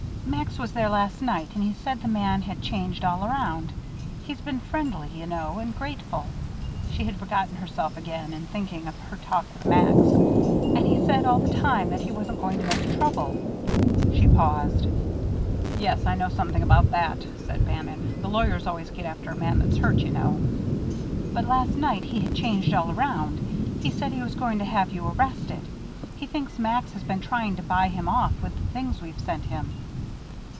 "Max was there last night and he said the man had changed all around. He's been friendly, you know, and grateful" she had forgotten herself again, in thinking of her talk with Max "and he's said all the time that he wasn't going to make trouble " She paused. "Yes, I know something about that," said Bannon. "The lawyers always get after a man that's hurt, you know." "But last night he had changed all around. He said he was going to have you arrested. He thinks Max has been trying to buy him off with the things we've sent him."